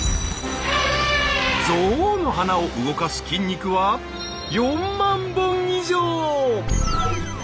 ゾウの鼻を動かす筋肉は４万本以上！